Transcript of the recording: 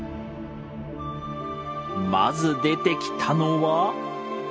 まず出てきたのは。